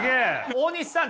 大西さん